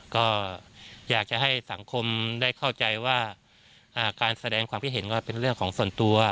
ก็อยากจะให้สังคมได้เข้าใจว่าการแสดงความคิดเห็นก็เป็นเรื่องของส่วนตัว